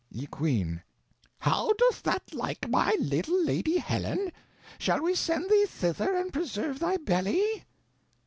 Ye Queene. How doth that like my little Lady Helen? Shall we send thee thither and preserve thy belly?